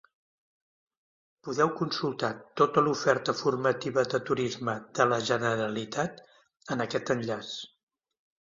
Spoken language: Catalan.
Podeu consultar tota l'oferta formativa de Turisme de la Generalitat en aquest enllaç.